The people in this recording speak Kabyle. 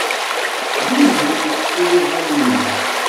Ssenzent tiliẓri-nni.